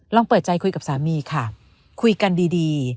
เปิดใจคุยกับสามีค่ะคุยกันดี